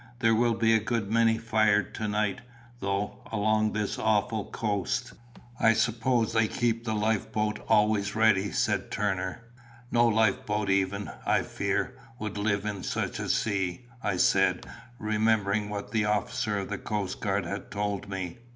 There will be a good many fired to night, though, along this awful coast." "I suppose they keep the life boat always ready," said Turner. "No life boat even, I fear, would live in such a sea," I said, remembering what the officer of the coast guard had told me.